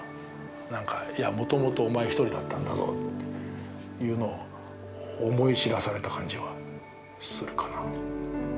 何か「もともとお前一人だったんだぞ」っていうのを思い知らされた感じはするかな。